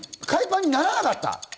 海パンにならなかった。